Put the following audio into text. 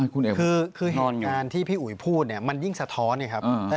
คือเหตุการณ์ที่พี่อุ๋ยพูดเนี่ยมันยิ่งสะท้อนไงครับ